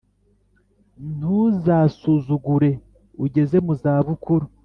Ntuzasuzugure ugeze mu zabukuru,